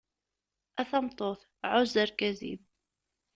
A tameṭṭut, ɛuzz argaz-im.